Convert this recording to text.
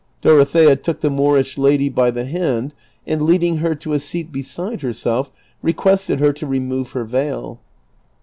Dorothea took the IMoorish lady by the hand and leading her to a seat beside herself, requested her to re move her veil.